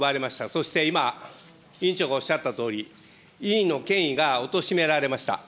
そして今、委員長がおっしゃったとおり、委員の権威がおとしめられました。